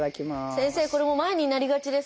先生これも前になりがちです。